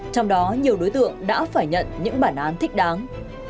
trong đó nhiều đối tượng đã phải nhận những bản án thích đáng